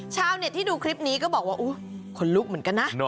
ชาวเน็ตที่ดูคลิปนี้ก็บอกว่าขนลุกเหมือนกันนะ